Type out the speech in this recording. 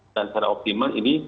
dan secara optimal ini